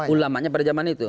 ulamanya pada zaman itu